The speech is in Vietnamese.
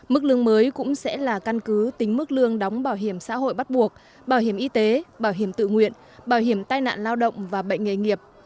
mức lương mới cũng sẽ là căn cứ tính mức lương đóng bảo hiểm xã hội bắt buộc bảo hiểm y tế bảo hiểm tự nguyện bảo hiểm tai nạn lao động và bệnh nghề nghiệp